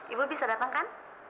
ibu bisa datang kan